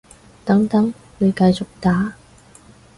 等等，你繼續打